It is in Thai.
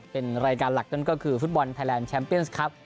เป็นรายการหลักจนก็คือฟุตบอลไทยแลนด์แชมป์เตรียมครัฟท์